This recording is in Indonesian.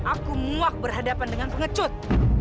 aku muak berhadapan dengan pengecut